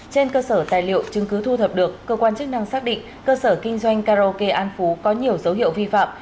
trên cơ sở tài liệu chứng cứ thu thập được cơ quan chức năng xác định cơ sở kinh doanh karaoke an phú có nhiều dấu hiệu vi phạm